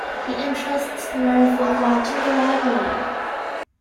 He entrusts Merv with watching the library.